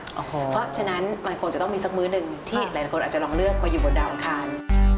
เพราะฉะนั้นมันคงจะต้องมีสักมื้อหนึ่งที่หลายคนอาจจะลองเลือกไปอยู่บนดาวอังคาร